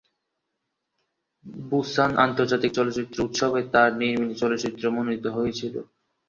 Busan আন্তর্জাতিক চলচ্চিত্র উৎসবে তার নির্মিত চলচ্চিত্র মনোনীত হয়েছিল।